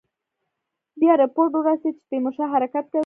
بیا رپوټ ورسېد چې تیمورشاه حرکت کوي.